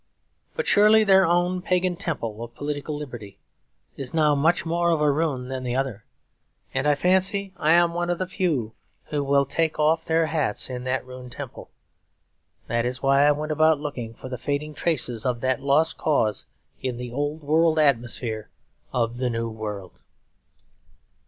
But surely their own pagan temple of political liberty is now much more of a ruin than the other; and I fancy I am one of the few who still take off their hats in that ruined temple. That is why I went about looking for the fading traces of that lost cause, in the old world atmosphere of the new world.